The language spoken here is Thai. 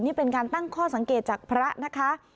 นี่เป็นการตั้งข้อสังเกตจากพระนะคะ